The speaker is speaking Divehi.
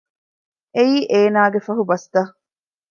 އެއީ އޭނާގެ ފަހުބަސްތައް